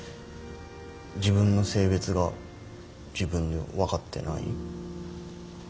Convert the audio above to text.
自分の性別が自分で分かってない。